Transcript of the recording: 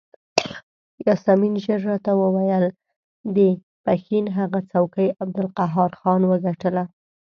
یاسمین ژر راته وویل د پښین هغه څوکۍ عبدالقهار خان وګټله.